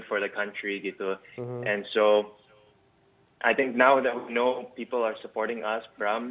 dan sekarang saya pikir sekarang kita tahu orang orang support kita